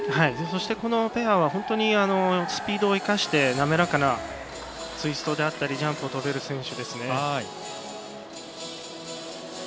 そして、このペアは本当にスピードを生かして滑らかなツイストであったりジャンプを跳べる選手ですね。